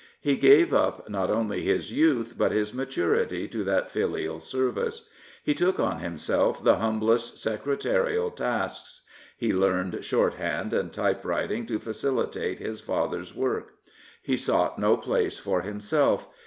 He gave up not only his youth but his maturity to that filial service. He took on himself the humblest secretarial tasks. He learned short hand and t3q)ewriting to facilitate his father's work. He sought no place for himself.